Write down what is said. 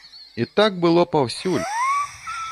І так было паўсюль!